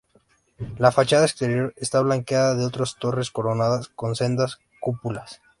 La fachada exterior está flanqueada de dos torres coronadas con sendas cúpulas.